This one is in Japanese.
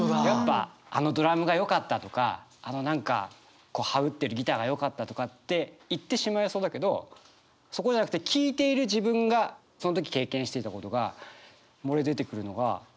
やっぱあのドラムがよかったとかあの何かハウってるギターがよかったとかって言ってしまいそうだけどそこじゃなくて聴いている自分がその時経験していたことが漏れ出てくるのが。